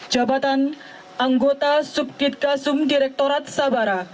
jabatan anggota subkit kasum direktorat sabara